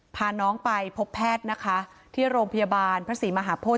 พาน้องไปพบแพทย์นะคะที่โรงพยาบาลพระศรีมหาโพธิ